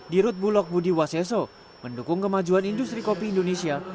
dirut bulog budi waseso mendukung kemajuan industri kopi indonesia